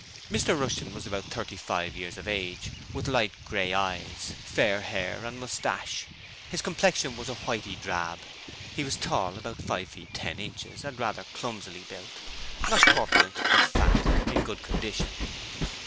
Mr Rushton was about thirty five years of age, with light grey eyes, fair hair and moustache, and his complexion was a whitey drab. He was tall about five feet ten inches and rather clumsily built; not corpulent, but fat in good condition.